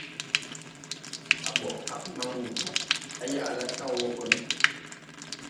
A boʼ kag man wuu ga, à yaʼ la taw wo go ni.